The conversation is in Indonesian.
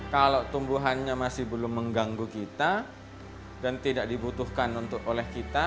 kalau tumbuhannya masih belum mengganggu kita dan tidak dibutuhkan oleh kita